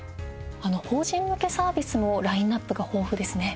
法人向けサービスもラインアップが豊富ですね。